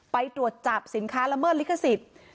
ไปตรวจจับสินค้าละเมิดลิขสิทธิ์